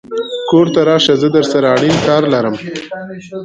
کور ته راشه زه درسره اړين کار لرم